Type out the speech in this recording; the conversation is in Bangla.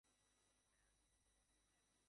কথা দিচ্ছি এবার প্যান্টি পরতে ভুলব না।